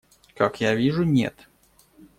Как я вижу, нет.